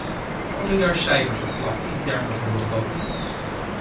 Kan u daar cijfers op plakken in termen van begroting?